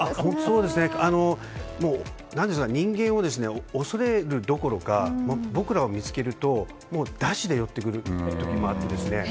人間を恐れるどころか僕らを見つけるとダッシュで寄ってくる時もあるんですね。